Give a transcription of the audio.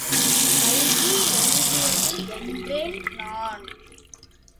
கல்கி எழுதியது என்றேன் நான்.